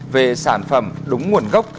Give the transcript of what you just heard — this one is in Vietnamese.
về sản phẩm đúng nguồn gốc